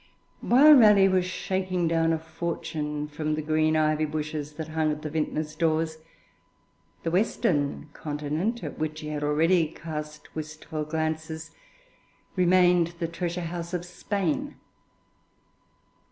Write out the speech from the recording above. While Raleigh was shaking down a fortune from the green ivy bushes that hung at the vintners' doors, the western continent, at which he had already cast wistful glances, remained the treasure house of Spain.